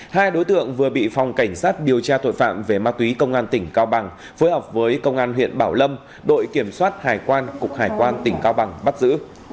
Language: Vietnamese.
hai đối tượng vừa bị phòng cảnh sát điều tra tội phạm về ma túy công an tỉnh cao bằng phối hợp với công an huyện bảo lâm đội kiểm soát hải quan cục hải quan tỉnh cao bằng bắt giữ